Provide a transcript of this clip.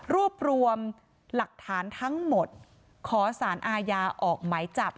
รวบรวมหลักฐานทั้งหมดขอสารอาญาออกไหมจับ